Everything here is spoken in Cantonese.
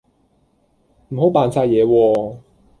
唔好扮晒嘢喎